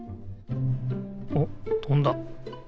おっとんだ。